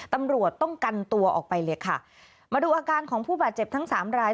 ตำรวจต้องกันตัวออกไปเลยค่ะมาดูอาการของผู้บาดเจ็บทั้งสามราย